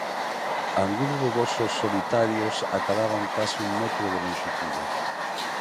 Algúns rugosos solitarios acadaban case un metro de lonxitude.